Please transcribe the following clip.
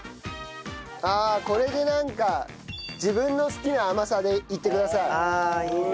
ああこれでなんか自分の好きな甘さでいってください。